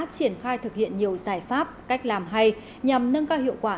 triển khai thực hiện nhiều giải pháp cách làm hay nhằm nâng cao hiệu quả